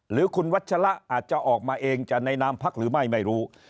หรือคุณวัชละอาจจะออกมาเองจะในนามพักหรือไม่ไม่รู้